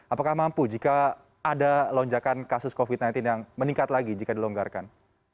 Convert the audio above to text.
apakah mampu jika ada lonjakan kasus covid sembilan belas yang meningkat lagi jika dilonggarkan